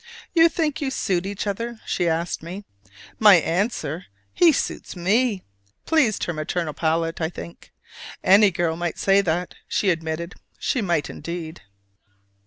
"You think you suit each other?" she asked me. My answer, "He suits me!" pleased her maternal palate, I think. "Any girl might say that!" she admitted. (She might indeed!)